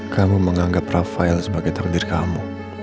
kamu menganggap rafael sebagai takdir kamu